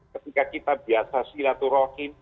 ketika kita biasa silaturahim